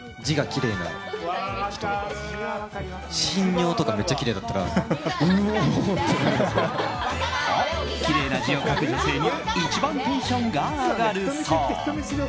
きれいな字を書く女性に一番テンションが上がるそう。